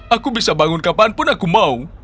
aku bisa bangun kapanpun aku mau